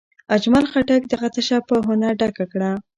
اجمل خټک دغه تشه په هنر ډکه کړه.